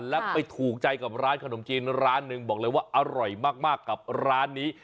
แล้วไปถูกใจกับร้านขนมจีนร้านหนึ่งบอกเลยว่าอร่อยมากกับร้านนี้